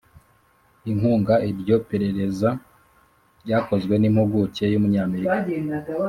inkunga iryo perereza ryakozwe n'impuguke y'umunyamerika